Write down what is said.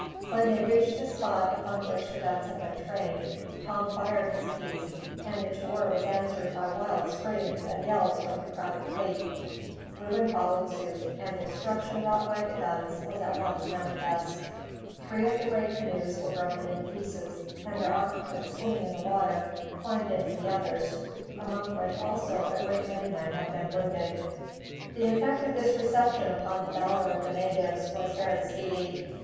When they reached the spot upon which the guns had been trained Tom fired his piece, and its roar was answered by wild screams and yells from the crowded fleet. Reuben followed suit, and the destruction wrought by the gnus was at once manifest. Three of the great canoes were broken to pieces, and their occupants swimming in the water climbed into the others, among which also a great many men had been wounded. The effect of this reception upon the valor of the natives was very speedy.